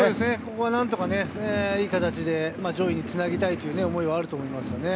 ここは何とかいい形で上位につなぎたいという思いはあると思いますね。